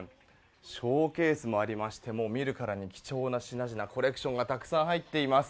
ショーケースもありまして見るからに貴重な品々コレクションがたくさん入っています。